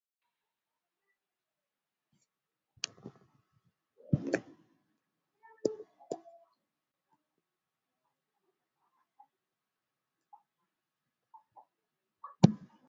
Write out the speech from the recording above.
asiyesikia la mkuu, bila shaka huvunjika guu